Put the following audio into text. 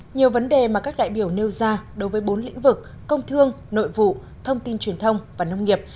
nhiều vấn đề mà các đại biểu nêu ra đối với bốn lĩnh vực công thương nội vụ thông tin truyền thông và nông nghiệp